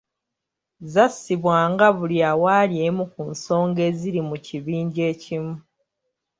Zassibwanga buli awali emu ku nsonga eziri mu kibinja ekimu.